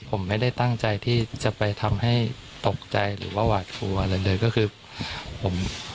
ผมไม่ได้ตั้งใจที่จะไปทำให้ตกใจหรือว่าหวาดกลัวอะไรเลยก็คือผม